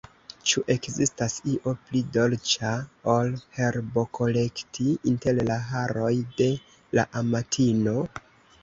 Ĉu ekzistas io pli dolĉa, ol herbokolekti inter la haroj de la amatino?